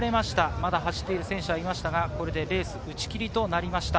まだ走っている選手はいましたが、レース打ち切りとなりました。